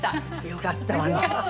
よかったわね。